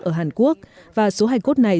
ở hàn quốc và số hài cốt này